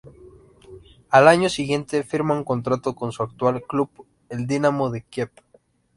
Al año siguiente firma un contrato con su actual club, el Dinamo de Kiev.